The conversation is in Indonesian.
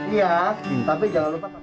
iya tapi jangan lupa